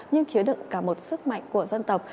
nhưng chứa đựng cả một sức mạnh của dân tộc